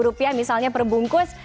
rp lima puluh misalnya perbungkus